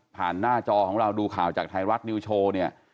หน้าจอของเราดูข่าวจากไทยรัฐนิวโชว์เนี่ย